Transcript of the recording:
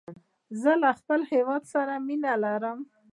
زه له خپل هیواد سره مینه لرم.